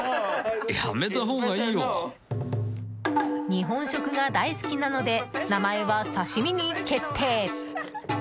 日本食が大好きなので名前は、刺し身に決定！